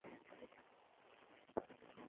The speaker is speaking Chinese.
金万燮于是又与彼得等人重逢。